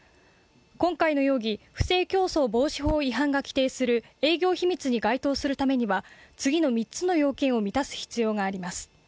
今回の容疑、不正競争防止法違反が規定する営業秘密に該当するためには次の３つの要件を満たす必要があります